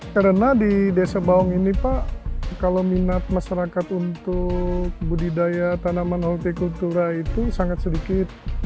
karena di desa baung ini pak kalau minat masyarakat untuk budidaya tanaman horticultura itu sangat sedikit